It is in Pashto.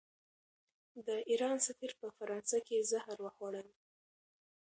د ایران سفیر په فرانسه کې زهر وخوړل.